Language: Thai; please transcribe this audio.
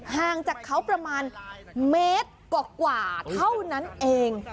ห่างจากเขาประมาณเมตรกว่าเท่านั้นเอง